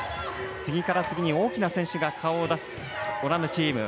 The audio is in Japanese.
次から次に大きな選手が顔を出すオランダチーム。